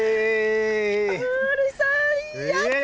あ類さんやった！